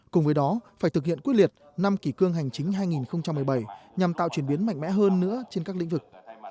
cùng với đó phải thực hiện quyết liệt năm kỷ cương hành chính hai nghìn một mươi bảy nhằm tạo chuyển biến mạnh mẽ hơn nữa trên các lĩnh vực